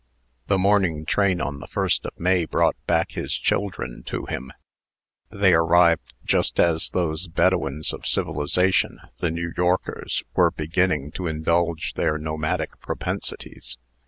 The morning train on the 1st of May brought back his children to him. They arrived just as those Bedouins of civilization the New Yorkers were beginning to indulge their nomadic propensities.